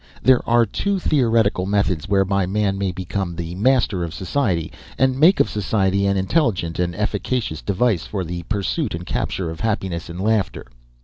"There are two theoretical methods whereby man may become the master of society, and make of society an intelligent and efficacious device for the pursuit and capture of happiness and laughter.